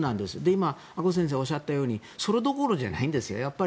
今、阿古先生おっしゃったようにそれどころじゃないんですよ。